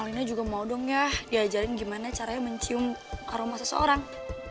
lina juga mau dong ya diajarin gimana caranya mencium aroma seseorang